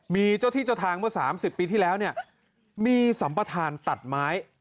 มีเจ้าที่เจ้าทางเมื่อ๓๐ปีที่แล้วเนี่ยมีสัมประธานตัดไม้